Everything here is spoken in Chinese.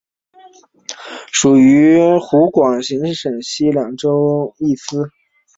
属于湖广行省广西两江道宣慰司。